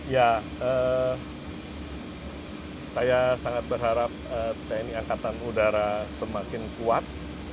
ya saya sangat berharap tni angkatan udara semakin kuat